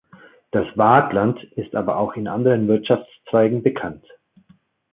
Das Waadtland ist aber auch in anderen Wirtschaftszweigen bekannt.